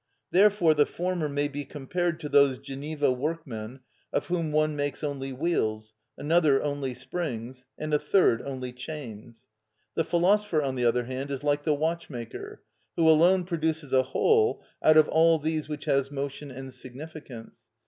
Therefore the former may be compared to those Geneva workmen of whom one makes only wheels, another only springs, and a third only chains. The philosopher, on the other hand, is like the watchmaker, who alone produces a whole out of all these which has motion and significance.